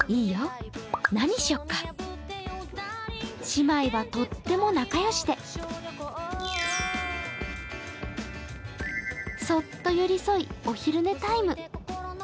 姉妹はとっても仲良しでそっと寄り添い、お昼寝タイム。